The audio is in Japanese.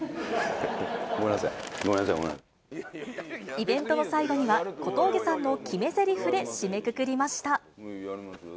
ごめんなさい、イベントの最後には、小峠さんの決めぜりふで締めくくりました。